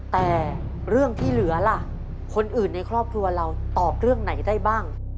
แต่เรื่องที่เหลือล่ะคนอื่นในครอบครัวเราตอบเรื่องไหนได้บ้าง